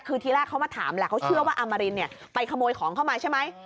คือที่แรกเขามาถามแหละเขาเชื่อว่าอามารินไปขโมยของเข้ามาใช่ไหม